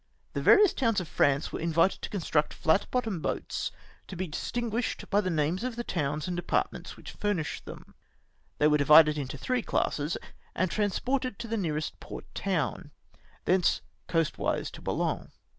The various towns of France were invited to construct flat bottomed boats, to be distinguished by the names of the towns and departments which furnished them. They were divided into three classes, and transported to the nearest port town, thence coastwise to Boulogne, M 4 IGS THE AliJIJ ORDERED TO WATCH THE FRENCH COAST.